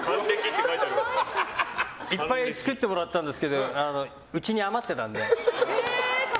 いっぱい作ってもらったんですけどうちに余ってたんで。